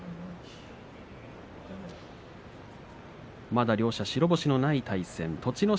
まだ両者、白星のない対戦栃ノ